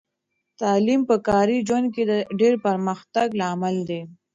تعلیم په کاري ژوند کې د پرمختګ لامل دی.